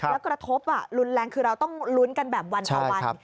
แล้วกระทบรุนแรงคือเราต้องลุ้นกันแบบวันต่อวัน